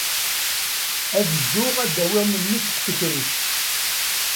Ad dduɣ ad d-awiɣ memmi seg tekrict.